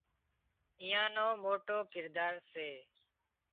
ايئان نو موٽو ڪردار سي